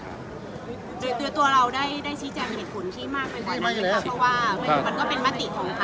เพราะว่ามันก็เป็นมาติของภาค